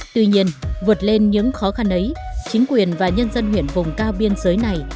tuy nhiên vượt lên những khó khăn ấy chính quyền và nhân dân huyện vùng cao biên giới này